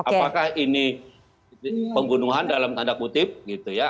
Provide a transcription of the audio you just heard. apakah ini pembunuhan dalam tanda kutip gitu ya